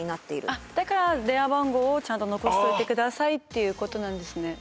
だから電話番号をちゃんと残しておいてくださいっていうことなんですね。